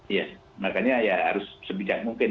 iya makanya ya harus sebijak mungkin